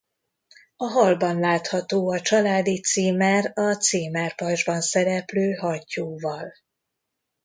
A hallban látható a családi címer a címerpajzsban szereplő hattyúval.